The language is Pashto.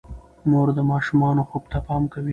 مور د ماشومانو خوب ته پام کوي.